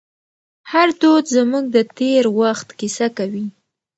هر دود زموږ د تېر وخت کیسه کوي.